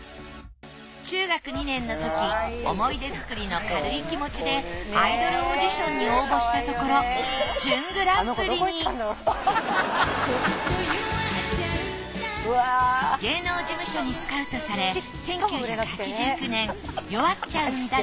中学２年の時思い出作りの軽い気持ちでアイドルオーディションに応募したところ芸能事務所にスカウトされ